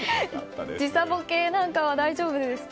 時差ボケなんかは大丈夫ですか。